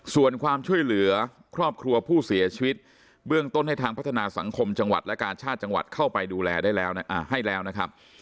ส่วนความช่วยเหลือครอบครัวผู้เสียชีวิตเบื้องต้นให้ทางพัฒนาสังคมจังหวัดและการชาติจังหวัดเข้าไปดูแลได้แล้วให้แล้วนะครับ